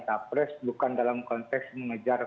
capres bukan dalam konteks mengejar